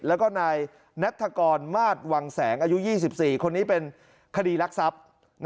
แล้วก็นายนัฐกรมาสวังแสงอายุ๒๔คนนี้เป็นคดีรักทรัพย์